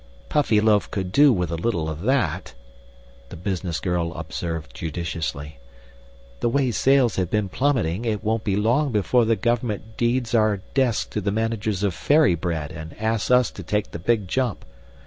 "Puffyloaf could do with a little of that," the business girl observed judiciously. "The way sales have been plummeting, it won't be long before the Government deeds our desks to the managers of Fairy Bread and asks us to take the Big Jump.